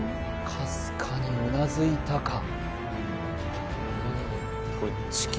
かすかにうなずいたか？